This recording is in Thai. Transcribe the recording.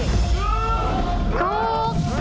ถูก